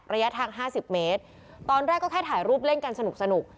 ระยะทาง๕๐เมตรตอนแรกก็แค่ถ่ายรูปเล่นกันสนุกสนุก